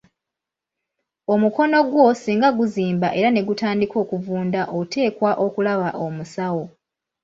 Omukono gwo singa guzimba era ne gutandika okuvunda oteekwa okulaba omusawo.